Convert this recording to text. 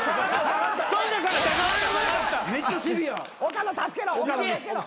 岡野助けろ。